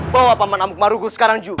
bawa paman amuk marung sekarang juga